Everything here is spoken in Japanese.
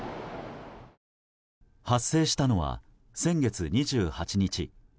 発生したのは先月２８日。